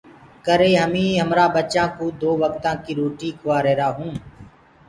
ڪري هميٚنٚ همرآ ٻچآنٚ ڪوٚ دو وڪتآنٚ ڪيٚ روُٽي کُواهيرآئونٚ۔